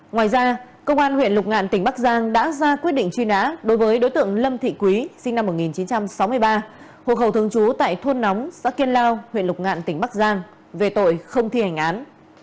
ngoài ra công an huyện lục ngạn tỉnh bắc giang đã ra quyết định truy nã đối với đối tượng lâm thị quý sinh năm một nghìn chín trăm sáu mươi ba hộ khẩu thường trú tại thôn nóng xã kiên lao huyện lục ngạn tỉnh bắc giang về tội không thi hành án